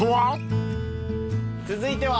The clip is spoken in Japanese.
続いては？